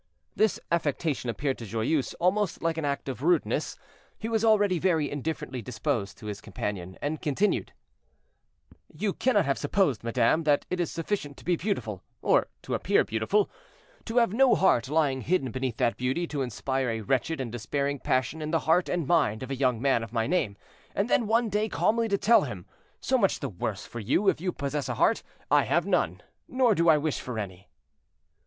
This affectation appeared to Joyeuse almost like an act of rudeness; he was already very indifferently disposed to his companion, and continued: "You cannot have supposed, madame, that it is sufficient to be beautiful, or to appear beautiful; to have no heart lying hidden beneath that beauty, to inspire a wretched and despairing passion in the heart and mind of a young man of my name, and then one day calmly to tell him, 'So much the worse for you if you possess a heart. I have none; nor do I wish for any.'"